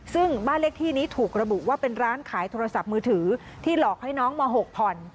ซึ่งบ้านเลขที่นี้ถูกระบุว่าเป็นร้านขายโทรศัพท์มือถือที่หลอกให้น้องม๖ผ่อน